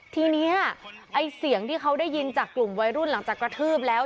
ทีนี้ไอ้เสียงที่เขาได้ยินจากกลุ่มวัยรุ่นหลังจากกระทืบแล้ว